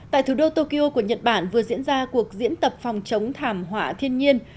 tại thủ đô tokyo của nhật bản vừa diễn ra cuộc diễn tập phòng chống thảm họa thiên nhiên